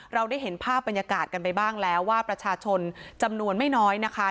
เราได้เห็นภาพบรรยากาศกันไปบ้างแล้วว่าประชาชนจำนวนไม่น้อยนะคะ